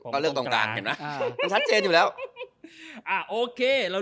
มันชัดเช็ดอยู่แล้ว